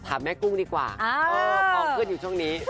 ถามแม่กุ้งดีกว่าเพราะเอาเพื่อนอยู่ช่วงนี้